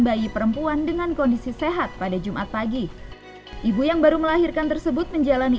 bayi perempuan dengan kondisi sehat pada jumat pagi ibu yang baru melahirkan tersebut menjalani